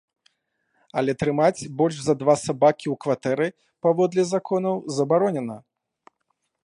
Але трымаць больш за два сабакі ў кватэры, паводле законаў, забаронена.